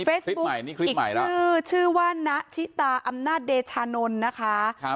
เฟซบุ๊กอีกชื่อชื่อว่าณทิตาอำนาจเดชานนนะคะ